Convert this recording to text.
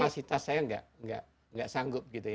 memang kapasitas saya enggak enggak sanggup gitu ya